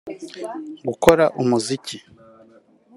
gukora umuziki